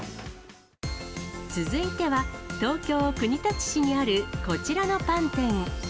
続いては、東京・国立市にあるこちらのパン店。